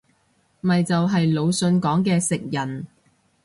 咪就係魯迅講嘅食人